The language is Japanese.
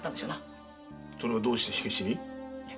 それがどうして火消しに？